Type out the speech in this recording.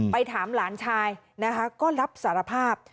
ถามหลานชายนะคะก็รับสารภาพ